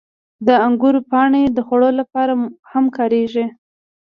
• د انګورو پاڼې د خوړو لپاره هم کارېږي.